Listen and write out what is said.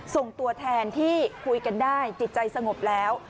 ส่งตัวแทนที่คุยกันได้จิตใจสงบแล้ว